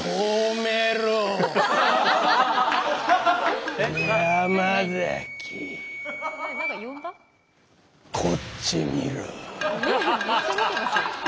めっちゃ見てますよ。